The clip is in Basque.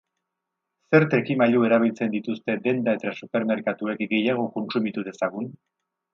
Ze trikimailu erabiltzen dituzte denda eta supermerkatuek gehiago kontsumitu dezagun?